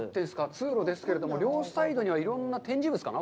通路ですけれども、両サイドにはいろんな展示物かな？